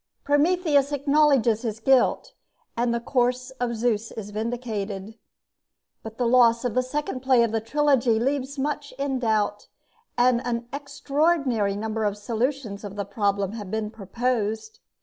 Prometheus acknowledges his guilt, and the course of Zeus is vindicated; but the loss of the second play of the trilogy leaves much in doubt, and an extraordinary number of solutions of the problem has been proposed.